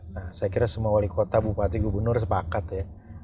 nah saya kira semua wali kota bupati gubernur sepakat ya